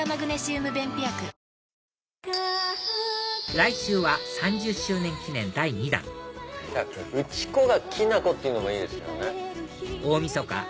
来週は３０周年記念第２弾打ち粉がきな粉っていうのもいいですよね。